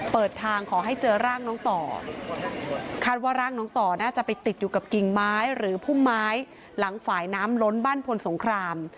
เปิดทางขอให้เจอร่างน้องต่อคาดว่าร่างน้องต่อน่าจะไปติดอยู่กับกิ่งไม้หรือพุ่มไม้หลังฝ่ายน้ำล้นบ้านพลสงคราม